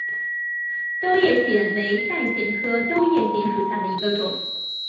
兜叶藓为带藓科兜叶藓属下的一个种。